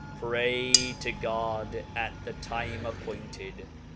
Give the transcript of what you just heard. Pray to God at the time appointed.